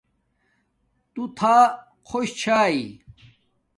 تو تھا خوش چھاݵݵ